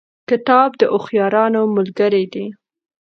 کتاب د هوښیارانو ملګری دی.